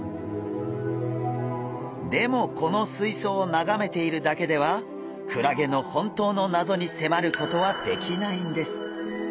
でもこのすいそうをながめているだけではクラゲの本当の謎にせまることはできないんです。